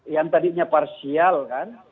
yang tadinya parsial kan